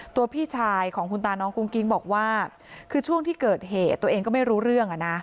พี่ชายของคุณตาน้องกุ้งกิ๊งบอกว่าคือช่วงที่เกิดเหตุตัวเองก็ไม่รู้เรื่องอ่ะนะ